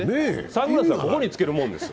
サングラスは顔につけるものです。